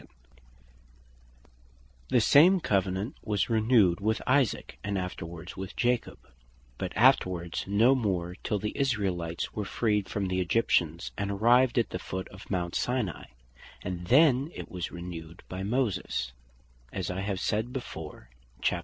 The Authority Of Moses Whereon Grounded The same Covenant was renewed with Isaac; and afterwards with Jacob; but afterwards no more, till the Israelites were freed from the Egyptians, and arrived at the Foot of Mount Sinai: and then it was renewed by Moses (as I have said before, chap.